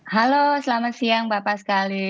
halo selamat siang bapak sekali